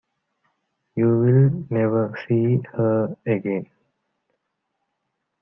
You will never see her again.